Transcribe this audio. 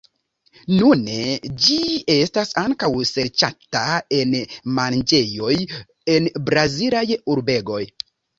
Nune ĝi estas ankaŭ serĉata en manĝejoj en Brazilaj urbegoj.